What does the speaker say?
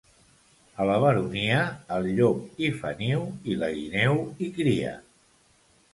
A la Baronia, el llop hi fa niu i la guineu hi cria.